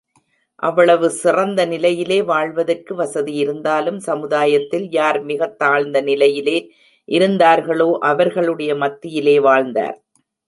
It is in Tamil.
அவ்வளவு சிறந்த நிலையிலே வாழ்வதற்கு வசதியிருந்தாலும் சமுதாயத்தில் யார் மிகத் தாழ்ந்த நிலையிலே இருந்தார்களோ அவர்களுடைய மத்தியிலே வாழ்ந்தார்.